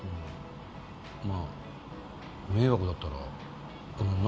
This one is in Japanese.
まあ迷惑だったらごめんな。